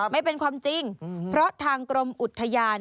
ไม่เป็นความจริงเพราะทางกรมอุทยาน